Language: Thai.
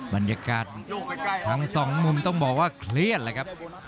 บรรยากาศทั้งสองมุมต้องบอกว่าเครียดเลยครับ